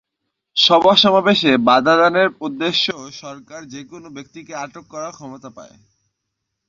সভা-সমাবেশে বাধা দানের উদ্দেশ্যেও সরকার যেকোনো ব্যক্তিকে আটক করার ক্ষমতা পায়।